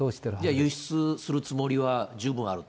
輸出するつもりは十分あると？